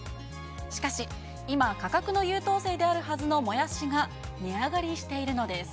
しかし、今、価格の優等生であるはずのもやしが値上がりしているのです。